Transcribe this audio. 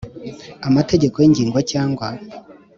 amategeko y u Rwanda cyangwa